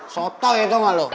sotoy tau gak lo